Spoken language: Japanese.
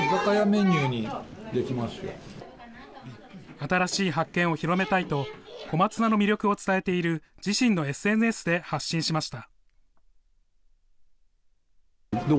新しい発見を広めたいと、小松菜の魅力を伝えている自身のＳＮＳで発信しました。